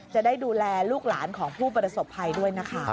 จะได้ดูแลลูกหลานของผู้ประสบภัยด้วยนะคะ